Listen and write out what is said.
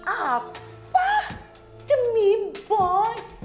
apa demi boy